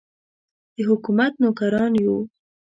د حکومت نوکران یو.